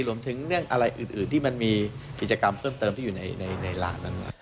รวมถึงเรื่องอะไรอื่นที่มันมีกิจกรรมเพิ่มเติมที่อยู่ในร้านนั้น